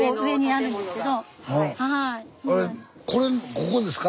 あれここですか？